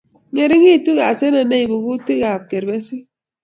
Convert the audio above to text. Ngeringitu asenet neibu kutik ak kerbesik